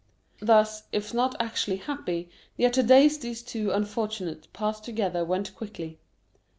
Thus, if not actually happy, yet the days these two unfortunates passed together went quickly.